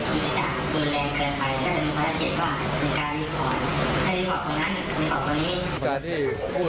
ความที่สามารถดูแลเกินไปก็จะเป็นภารกิจว่าเป็นการรีบพอร์ต